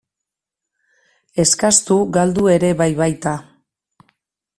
Eskastu galdu ere bai baita.